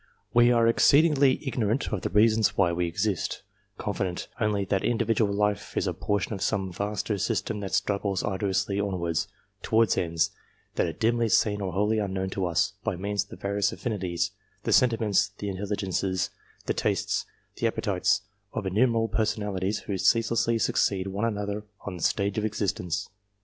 ^ We are exceedingly ignorant of the reasons why we exist, confident only that individual life is a portion of some vaster system that struggles arduously onwards \, towards ends that are dimly seen or wholly unknown to us, by means of the various affinities the sentiments, the intelligences, the tastes, the appetites of innumerable personalities who ceaselessly succeed one another on the stage of existence.